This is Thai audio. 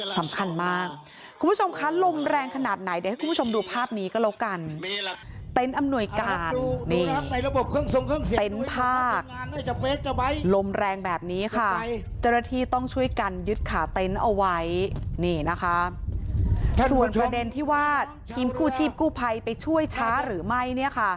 ส่วนประเด็นที่ว่าทีมกู้ชีพกู้ไพรไปช่วยช้าหรือไม่